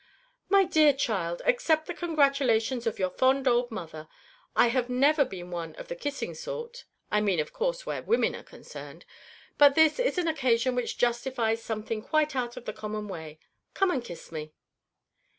"My dear child, accept the congratulations of your fond old mother. I have never been one of the kissing sort (I mean of course where women are concerned); but this is an occasion which justifies something quite out of the common way. Come and kiss me."